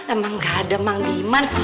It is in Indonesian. emang gak ada mang demand